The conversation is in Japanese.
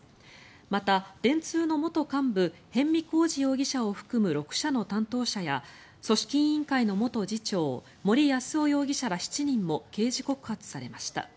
また、電通の元幹部逸見晃治容疑者を含む６社の担当者や組織委員会の元次長森泰夫容疑者ら７人も刑事告発されました。